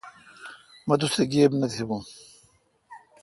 مہ توسہ گیب نہ تھبوں۔